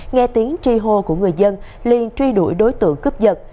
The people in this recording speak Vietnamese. nghe tiếng tri hô của người dân liên truy đuổi đối tượng cướp dật